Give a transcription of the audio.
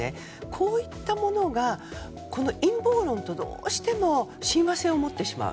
こういったものが陰謀論と、どうしても親和性を持ってしまう。